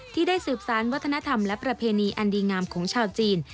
ที่ได้สืบสารวัฒนธรรมและประเพณีอันดีงามของชาวจีน